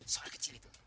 soal kecil itu